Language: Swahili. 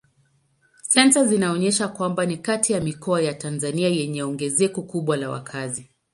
Sensa zinaonyesha kwamba ni kati ya mikoa ya Tanzania yenye ongezeko kubwa la wakazi.